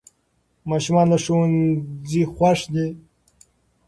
ماشومان له ښوونځي خوښ دي.